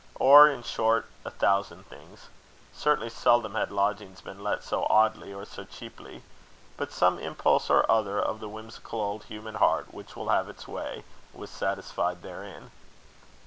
Or, in short, a thousand things. Certainly seldom have lodgings been let so oddly or so cheaply. But some impulse or other of the whimsical old human heart, which will have its way, was satisfied therein.